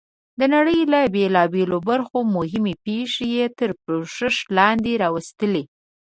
د نړۍ له بېلابېلو برخو مهمې پېښې یې تر پوښښ لاندې راوستلې.